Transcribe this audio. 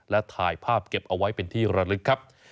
และถ่ายภาพเก็บเอาไว้เป็นที่ระลึกครับ